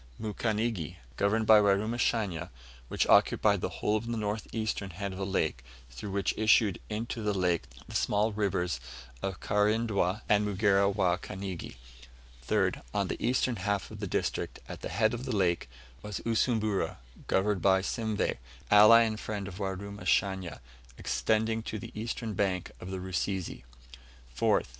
Mukanigi, governed by Warumashanya, which occupied the whole of the north eastern head of the lake, through which issued into the lake the small rivers of Karindwa and Mugera wa Kanigi. 3rd. On the eastern half of the district, at the head of the lake, was Usumbura, governed by Simveh, ally and friend of Warumashanya, extending to the eastern bank of the Rusizi. 4th.